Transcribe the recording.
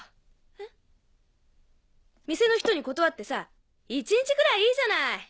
店の人に断ってさ一日ぐらいいいじゃない。